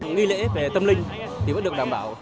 nghi lễ về tâm linh thì vẫn được đảm bảo